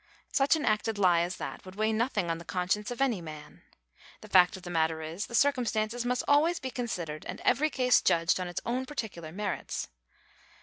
Such an acted lie as that would weigh nothing on the conscience of any man. The fact of the matter is, the circumstances must always be considered and every case judged on its own particular merits.